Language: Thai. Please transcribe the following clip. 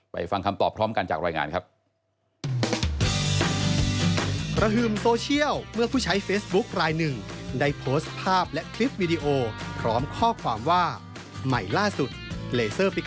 ฟังคำตอบพร้อมกันจากรายงานครับ